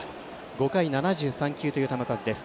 ５回７３球という球数です。